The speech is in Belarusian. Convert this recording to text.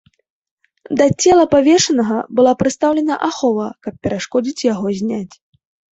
Да цела павешанага была прыстаўлена ахова, каб перашкодзіць яго зняць.